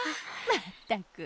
まったく！